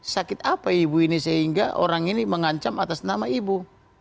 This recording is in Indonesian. sakit apa ibu ini sehingga orang ini mengancam atas nama ibu